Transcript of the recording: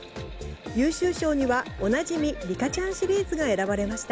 優秀賞には、おなじみリカちゃんシーズンが選ばれました。